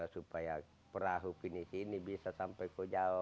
supaya perahu pinisi ini bisa sampai ke pulau jawa